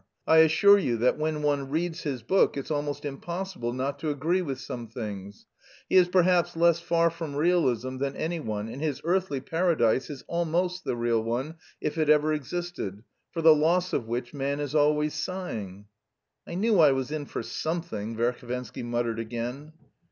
I assure you that when one reads his book it's almost impossible not to agree with some things. He is perhaps less far from realism than anyone and his earthly paradise is almost the real one if it ever existed for the loss of which man is always sighing." "I knew I was in for something," Verhovensky muttered again.